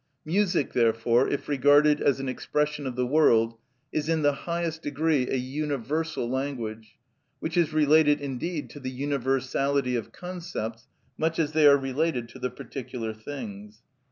Music, therefore, if regarded as an expression of the world, is in the highest degree a universal language, which is related indeed to the universality of concepts, much as they are related to the particular things.